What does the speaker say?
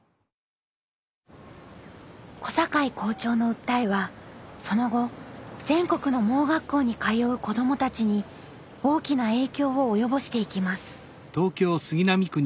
小坂井校長の訴えはその後全国の盲学校に通う子どもたちに大きな影響を及ぼしていきます。